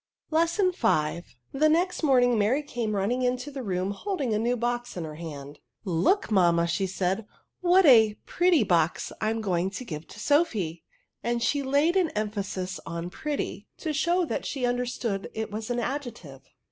Lesson V. The next morning Mary csone running into the room, holding a new box in her hand, Look, mamma," said she, " what 2i pretty box I am going to give Sophy;" and she laid an emphasis on pretty, to show that she understood it was an adjective.